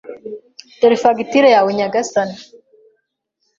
Dore fagitire yawe, nyagasani.